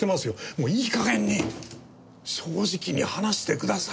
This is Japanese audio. もういい加減に正直に話してくださいよ。